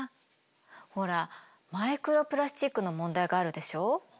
ほらマイクロプラスチックの問題があるでしょ？